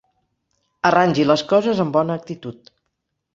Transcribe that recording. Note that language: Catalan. Arrangi les coses amb bona actitud.